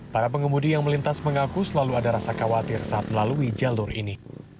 para pengemudi yang melintas mengaku selalu ada rasa khawatir saat melalui jalur ini